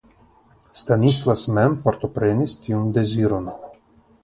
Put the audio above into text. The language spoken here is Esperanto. Stanislas mem partoprenis tiun deziron.